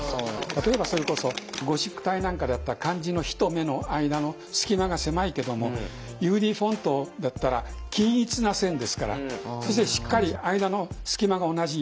例えばそれこそゴシック体なんかだったら漢字の日と目の間の隙間が狭いけどもＵＤフォントだったら均一な線ですからそしてしっかり間の隙間が同じ。